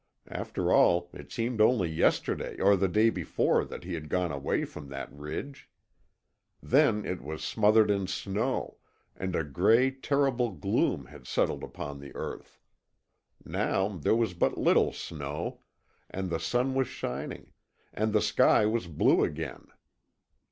After all, it seemed only yesterday or the day before that he had gone away from that ridge. Then it was smothered in snow, and a gray, terrible gloom had settled upon the earth. Now there was but little snow, and the sun was shining, and the sky was blue again.